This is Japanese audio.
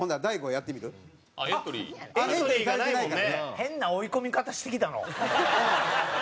変な追い込み方してきたのう。